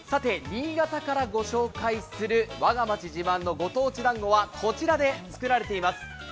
新潟からご紹介する「わが町自慢の郷土だんご」はこちらで作られています。